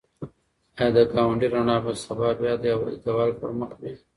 ایا د ګاونډي رڼا به سبا بیا د دېوال پر مخ وي؟